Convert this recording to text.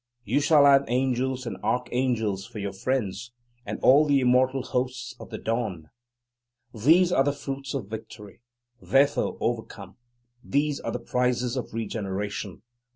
You shall have angels and archangels for your friends, and all the immortal hosts of the Dawn. These are the fruits of victory. Therefore overcome. These are the prizes of regeneration.